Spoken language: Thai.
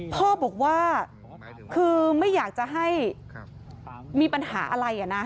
พ่อบอกว่าคือไม่อยากจะให้มีปัญหาอะไรนะ